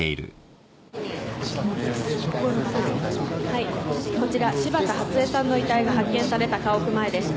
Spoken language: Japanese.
はいこちら柴田初枝さんの遺体が発見された家屋前です。